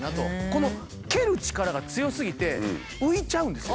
この蹴る力が強すぎて浮いちゃうんですよ。